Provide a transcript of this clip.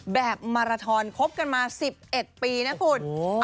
แบบมาราทอนคบกันมา๑๑ปีนะคุณ